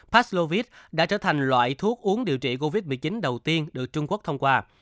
paslovis đã trở thành loại thuốc uống điều trị covid một mươi chín đầu tiên được trung quốc thông qua